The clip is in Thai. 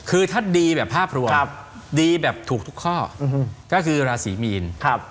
คือถ้าดีแบบภาพรวมดีแบบถูกทุกข้อก็คือราศีมีน